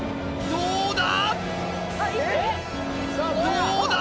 どうだ！？